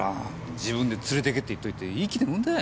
自分で連れてけって言っといていい気なもんだ。